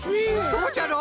そうじゃろ？